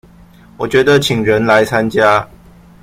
我覺得請人來參加